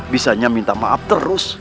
bisanya minta maaf terus